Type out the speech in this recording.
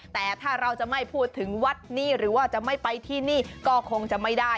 แต่ถ้าเราจะไม่พูดถึงวัดนี้หรือว่าจะไม่ไปที่นี่ก็คงจะไม่ได้